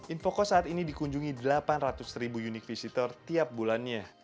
infocos saat ini dikunjungi delapan ratus ribu unik visitor tiap bulannya